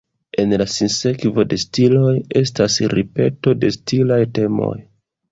En la sinsekvo de stiloj, estas ripeto de stilaj temoj.